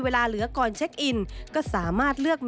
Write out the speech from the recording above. เป็นอย่างไรนั้นติดตามจากรายงานของคุณอัญชาฬีฟรีมั่วครับ